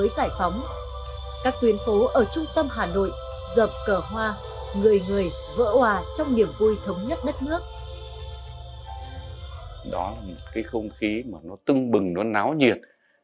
đó là một cái không khí mà nó tưng bừng nó náo nhiệt